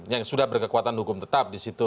yang sudah berkekuatan hukum tetap disitu